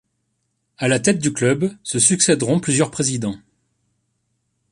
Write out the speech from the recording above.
À la tête du club se succéderont plusieurs présidents.